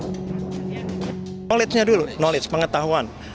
knowledge nya dulu knowledge pengetahuan